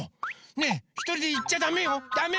ねえひとりでいっちゃダメよダメ！